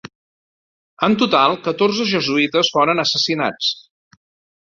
En total catorze jesuïtes foren assassinats.